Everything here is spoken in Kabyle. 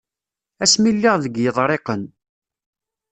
Asmi lliɣ deg Yiḍriqen.